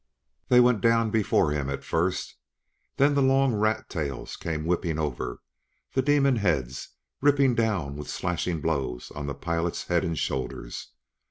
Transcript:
They went down before him at first. Then the long rat tails came whipping over, the demon heads, ripping down with slashing blows on the pilot's head and shoulders.